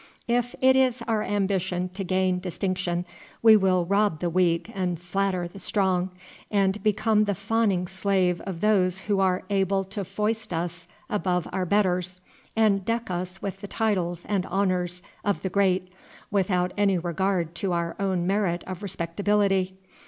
If it is our ambition to gain distinction, we will rob the weak and flatter the strong, and become the fawning slave of those who are able to foist us above our betters, and deck us with the titles and honors of the great without any regard to our own merit of respectability.